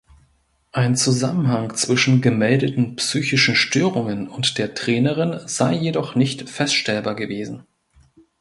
Ein Zusammenhang zwischen gemeldeten psychischen Störungen und der Trainerin sei jedoch nicht feststellbar gewesen.